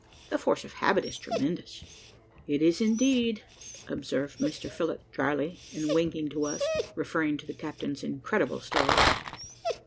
The force of habit is tremendous." "It is, indeed," observed Mr Phillott, dryly, and winking to us referring to the captain's incredible stories.